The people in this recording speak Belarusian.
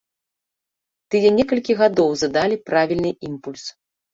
Тыя некалькі гадоў задалі правільны імпульс.